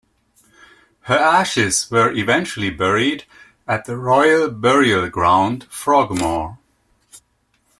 Her ashes were eventually buried at the Royal Burial Ground, Frogmore.